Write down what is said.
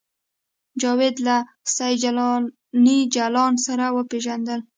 جاوید له سید جلاني جلان سره وپېژندل